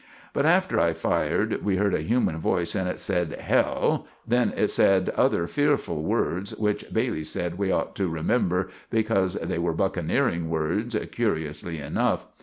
But after I fired we herd a human voice, and it sed, "Hell!" Then it sed other fearful words, which Bailey sed we ought to remember because they were buckeneering words curiously enuff.